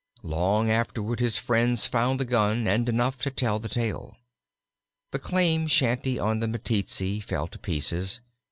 Long afterward his friends found the gun and enough to tell the tale. The claim shanty on the Meteetsee fell to pieces.